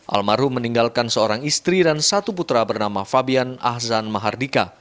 almarhum meninggalkan seorang istri dan satu putra bernama fabian ahzan mahardika